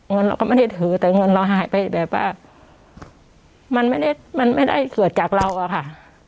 เงินเราก็ไม่ได้ถือแต่เงินเราหายไปแบบว่ามันไม่ได้มันไม่ได้เกิดจากเราอะค่ะ